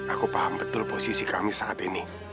aku paham betul posisi kami saat ini